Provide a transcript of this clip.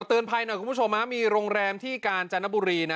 ตื่นภัยหน่อยกับคุณผู้ชมครับมีโรงแรมที่การจัดหน้าบุรีนะ